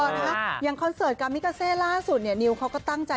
ยังว่าคอนเสิร์ตกามิกาเซ่ล่าสุดนิวเขาก็ตั้งใจ